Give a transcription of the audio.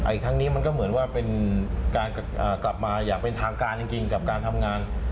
ครั้งนี้มันก็เหมือนว่าเป็นการกลับมาอย่างเป็นทางการจริงกับการทำงาน